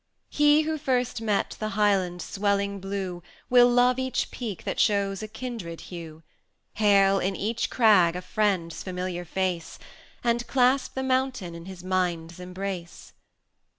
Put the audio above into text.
He who first met the Highlands' swelling blue 280 Will love each peak that shows a kindred hue, Hail in each crag a friend's familiar face, And clasp the mountain in his Mind's embrace.